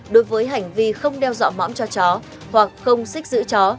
đối với hành vi không đeo dọa mõm cho chó hoặc không xích giữ chó